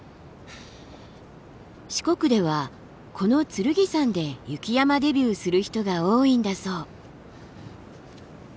四国ではこの剣山で雪山デビューする人が多いんだそう。